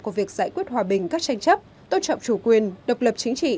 của việc giải quyết hòa bình các tranh chấp tôn trọng chủ quyền độc lập chính trị